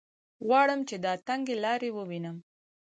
غواړم چې دا تنګې لارې ووینم.